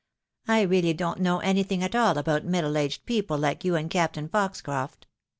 I really don't know anything about middle aged people like you and Captain Foxcroft.